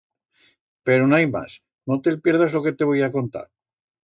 Pero n'hai mas; no te'l pierdas lo que te voi a contar.